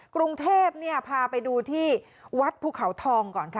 กรุงเทพพาไปดูที่วัดภูเขาทองก่อนค่ะ